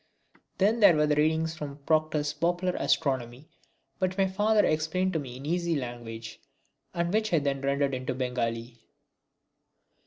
Then there were the readings from Proctor's Popular Astronomy which my father explained to me in easy language and which I then rendered into Bengali.